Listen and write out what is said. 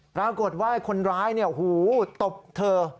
ปรากฏว่าคนร้ายตบเธอ